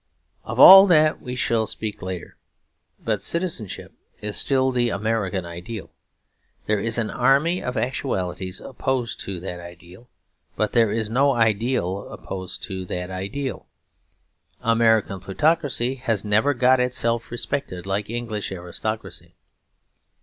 Of all that we shall speak later. But citizenship is still the American ideal; there is an army of actualities opposed to that ideal; but there is no ideal opposed to that ideal. American plutocracy has never got itself respected like English aristocracy.